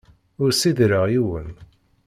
Ur ssidireɣ yiwen.